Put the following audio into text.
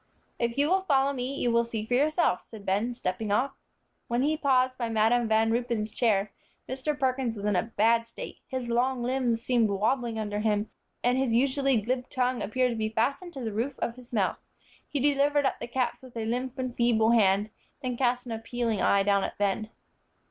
"If you will follow me, you will see for yourself," said Ben, stepping off. When he paused by Madam Van Ruypen's chair, Mr. Perkins was in a bad state. His long limbs seemed wobbling under him, and his usually glib tongue appeared to be fastened to the roof of his mouth. He delivered up the caps with a limp and feeble hand, then cast an appealing eye down at Ben.